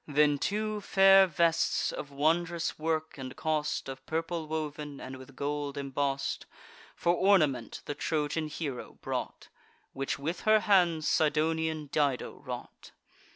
Then two fair vests, of wondrous work and cost, Of purple woven, and with gold emboss'd, For ornament the Trojan hero brought, Which with her hands Sidonian Dido wrought.